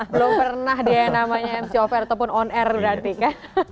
belum pernah dia yang namanya mc of air ataupun on air berarti kan